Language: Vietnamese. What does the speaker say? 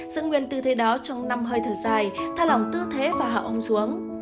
dẫn nguyên tư thế đó trong năm hơi thở dài tha lỏng tư thế và hạ ống xuống